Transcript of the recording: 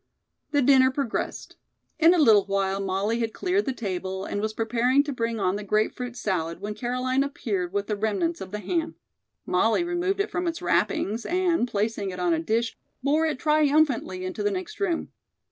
The dinner progressed. In a little while Molly had cleared the table and was preparing to bring on the grape fruit salad when Caroline appeared with the remnants of the ham. Molly removed it from its wrappings and, placing it on a dish, bore it triumphantly into the next room.